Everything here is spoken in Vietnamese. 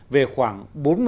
về khoảng bốn mươi